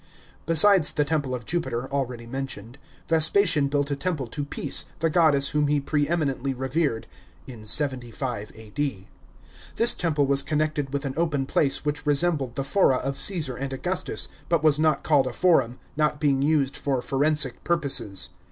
Besides the temple of Jupiter, already men'ioned, Vespasian built a temple to Peace, the goddess whom he pre eminently revered (in 75 A.D.). This temple was connected with an open place which resembled the fora of Caesar and Augustus, but was not called a forum, not being ut ed for forensic purposes.